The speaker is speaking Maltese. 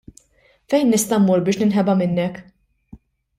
Fejn nista' mmur biex ninħeba minnek?